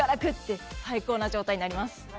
最高の状態になります。